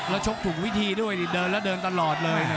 แล้วชกถูกวิธีด้วยเดินแล้วเดินตลอดเลยนะ